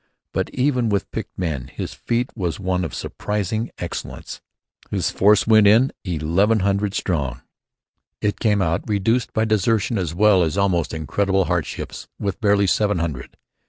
But, even with picked men, his feat was one of surpassing excellence. His force went in eleven hundred strong. It came out, reduced by desertion as well as by almost incredible hardships, with barely seven hundred.